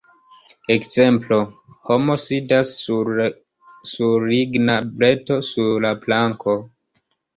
Ekzemplo: Homo sidas sur ligna breto sur la planko.